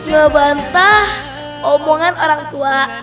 membantah omongan orang tua